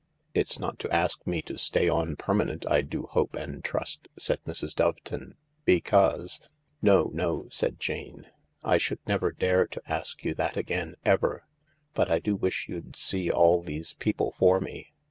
"It's not to ask me to stay on permanent, I do hope and trust," said Mrs. Doveton, " because " "No, no," said Jane. " I should never dare to ask you that again, ever. But I do wish you'd see all these people for me."